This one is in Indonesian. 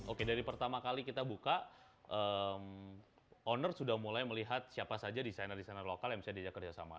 oke dari pertama kali kita buka owner sudah mulai melihat siapa saja desainer desainer lokal yang bisa diajak kerjasama